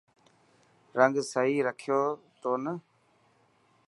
رنگ سهي رکيو تو نه.